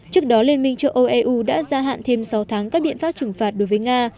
trước đó liên minh châu âu eu đã gia hạn thêm sáu tháng các biện pháp trừng phạt đối với nga